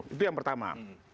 itu yang pertama